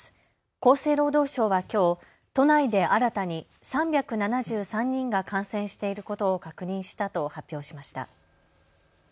厚生労働省はきょう都内で新たに３７３人が感染していることを確認したと発表しました。